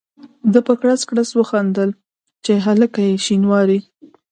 ده په کړس کړس وخندل چې هلکه یې شینواری.